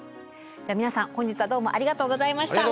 では皆さん本日はどうもありがとうございました。